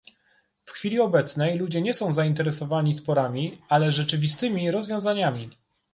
W chwili obecnej ludzie nie są zainteresowani sporami, ale rzeczywistymi rozwiązaniami